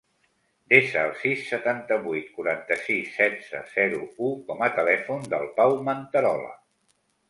Desa el sis, setanta-vuit, quaranta-sis, setze, zero, u com a telèfon del Pau Manterola.